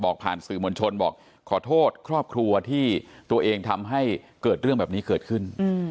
บอกผ่านสื่อมวลชนบอกขอโทษครอบครัวที่ตัวเองทำให้เกิดเรื่องแบบนี้เกิดขึ้น